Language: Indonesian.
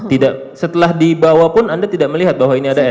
tidak setelah dibawa pun anda tidak melihat bahwa ini ada es